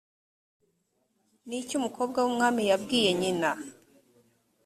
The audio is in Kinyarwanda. ni iki umukobwa w’umwami yabwiye nyina‽